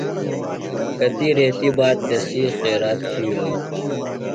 کتیۡ ریتیۡ باد تسی خیرات تھیلوۡ۔